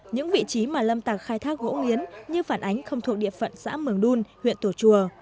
những vị trí mà lâm tạc khai thác gỗ nghiến như phản ánh không thuộc địa phận xã mường đun huyện tổ chùa